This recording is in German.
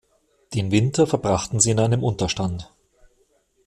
Den Winter verbrachten sie in einem Unterstand.